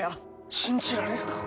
信じられるか？